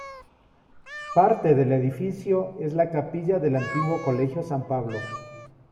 Parte del edificio es la Capilla del antiguo colegio San Pablo.